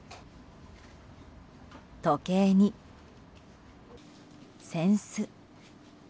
時計に扇子。